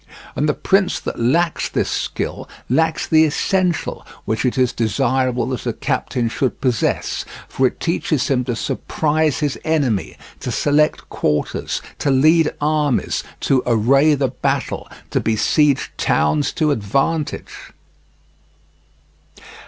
And the prince that lacks this skill lacks the essential which it is desirable that a captain should possess, for it teaches him to surprise his enemy, to select quarters, to lead armies, to array the battle, to besiege towns to advantage.